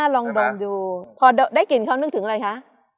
ลองดมดูพอได้กลิ่นเขานึกถึงอะไรคะ